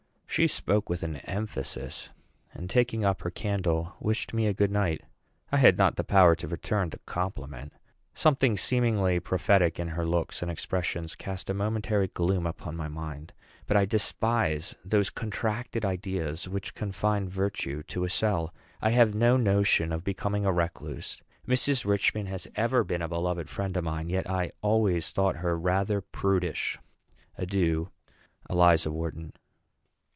She spoke with an emphasis, and, taking up her candle, wished me a good night. I had not power to return the compliment. Something seemingly prophetic in her looks and expressions cast a momentary gloom upon my mind; but I despise those contracted ideas which confine virtue to a cell. I have no notion of becoming a recluse. Mrs. Richman has ever been a beloved friend of mine; yet I always thought her rather prudish. Adieu. ELIZA WHARTON.